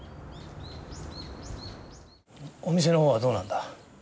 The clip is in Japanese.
お店のほうはどうなんだ？